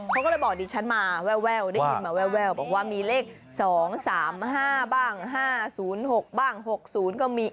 เขาก็เลยบอกดิฉันมาแววได้ยินมาแววบอกว่ามีเลข๒๓๕บ้าง๕๐๖บ้าง๖๐ก็มี